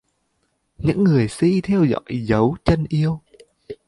Những người si theo dõi dấu chân yêu